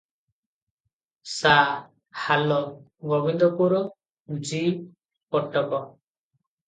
ସା:ହାଲ ଗୋବିନ୍ଦପୁର ଜି:କଟକ ।